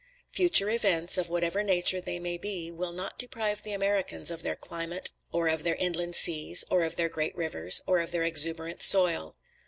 Future events, of whatever nature they may be, will not deprive the Americans of their climate or of their inland seas, or of their great rivers, or of their exuberant soil.